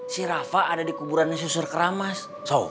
si rafa ada di kuburan susar keramas